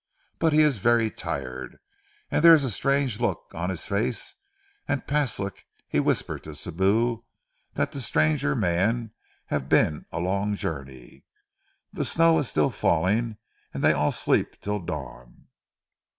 But he is vaire tired, an' dere is a strange look on his face, and Paslik he whisper to Sibou dat the stranger man hav' been a long journey.... Den ze snow still falling, dey all sleep till dawn....